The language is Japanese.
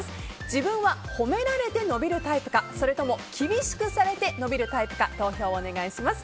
自分は褒められて伸びるタイプかそれとも厳しくされて伸びるタイプか投票をお願いします。